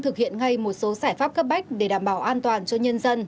thực hiện ngay một số giải pháp cấp bách để đảm bảo an toàn cho nhân dân